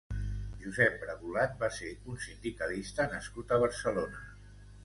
Josep Bragulat va ser un sindicalista nascut a Barcelona.